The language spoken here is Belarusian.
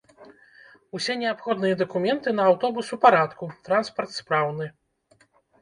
Усе неабходныя дакументы на аўтобус у парадку, транспарт спраўны.